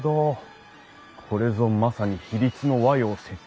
これぞまさに比率の和洋折衷。